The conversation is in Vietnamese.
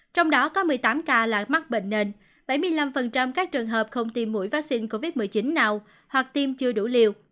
trong đó có một mươi tám ca là mắc bệnh nền bảy mươi năm các trường hợp không tiêm mũi vaccine covid một mươi chín nào hoặc tiêm chưa đủ liều